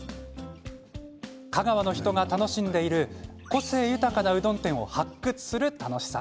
香川の人が楽しんでいる個性豊かなうどん店を発掘する楽しさ。